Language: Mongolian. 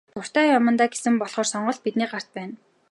Дуртай яамандаа гэсэн болохоор сонголт бидний гарт байна.